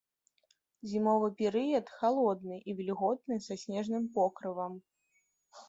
Зімовы перыяд халодны і вільготны са снежным покрывам.